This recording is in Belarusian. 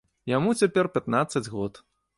Яму цяпер пятнаццаць год.